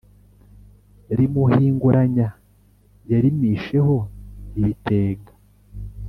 Rimuhinguranya yarimisheho ibitenga